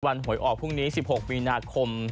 หวยออกพรุ่งนี้๑๖มีนาคม